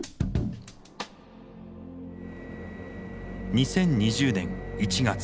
２０２０年１月。